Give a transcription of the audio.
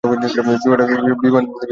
বিমান হামলা শুরু হবে।